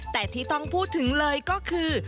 แต่ที่ต้องพูดถึงเลยก็คือ